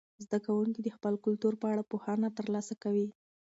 زده کوونکي د خپل کلتور په اړه پوهنه ترلاسه کوي.